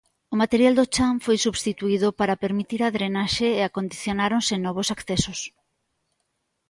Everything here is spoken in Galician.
O material do chan foi substituído para permitir a drenaxe e acondicionáronse novos accesos.